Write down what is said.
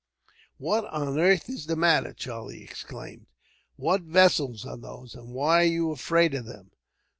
"What on earth is the matter?" Charlie exclaimed. "What vessels are those, and why are you afraid of them?"